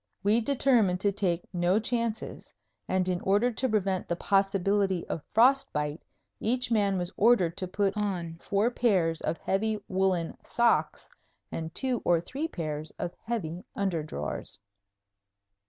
We determined to take no chances, and in order to prevent the possibility of frost bite each man was ordered to put on four pairs of heavy woolen socks and two or three pairs of heavy underdrawers.